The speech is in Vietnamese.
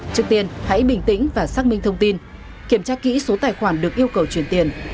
trước tiên hãy bình tĩnh và xác minh thông tin kiểm tra kỹ số tài khoản được yêu cầu truyền tiền